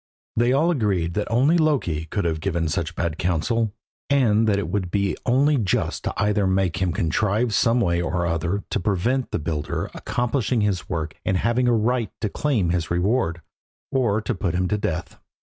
They all agreed that only Loki could have given such bad counsel, and that it would be only just to either make him contrive some way or other to prevent the builder accomplishing his work and having a right to claim his reward, or to put him to death.